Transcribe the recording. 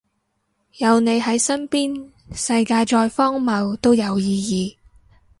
有你喺身邊，世界再荒謬都有意義